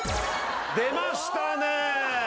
出ましたね。